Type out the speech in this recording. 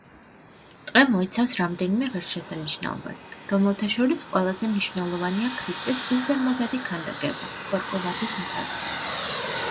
ტყე მოიცავს რამდენიმე ღირსშესანიშნაობას, რომელთა შორის ყველაზე მნიშვნელოვანია ქრისტეს უზარმაზარი ქანდაკება კორკოვადოს მთაზე.